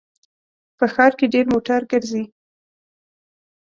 په ښار کې ډېر موټر ګرځي